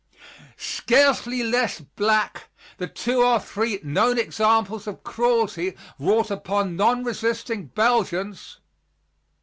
Scarcely less black the two or three known examples of cruelty wrought upon nonresisting Belgians.